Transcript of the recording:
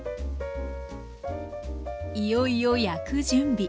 いよいよ焼く準備。